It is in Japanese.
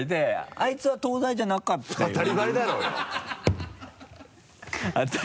あいつは東大じゃなかったよね？